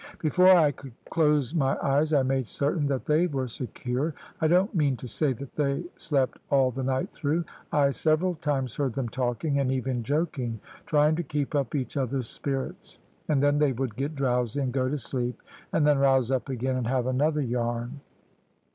Before I could close my eyes I made certain that they were secure I don't mean to say that they slept all the night through. I several times heard them talking, and even joking, trying to keep up each other's spirits, and then they would get drowsy and go to sleep, and then rouse up again and have another yarn.